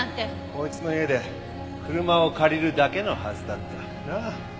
こいつの家で車を借りるだけのはずだった。なあ？